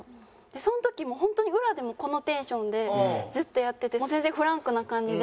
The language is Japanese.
その時も本当に裏でもこのテンションでずっとやってて全然フランクな感じで。